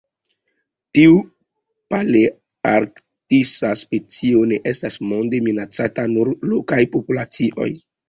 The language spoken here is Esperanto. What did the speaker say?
Tiu palearktisa specio ne estas monde minacata, nur lokaj populacioj.